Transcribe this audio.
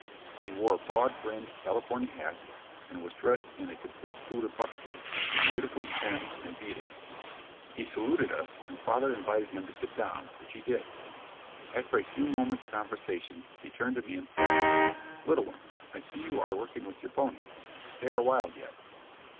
He wore a broad brimmed California hat, and was dressed in a complete suit of buckskin, beautifully trimmed and beaded. He saluted us, and father invited him to sit down, which he did. After a few moments conversation, he turned to me and said: "Little one, I see you are working with your ponies. They are wild yet."